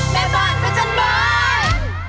แม่บ้านพระจันทร์เบิร์น